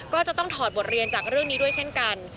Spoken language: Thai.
ก็จะต้องถอดบทเรียนจากเรื่องนี้ด้วยเช่นกัน